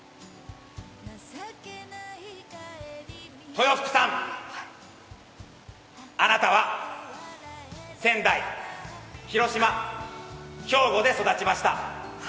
豊福さん、あなたは仙台、広島、兵庫で育ちました。